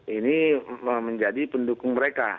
ini menjadi pendukung mereka